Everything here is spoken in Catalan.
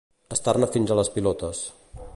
Estar-ne fins a les pilotes.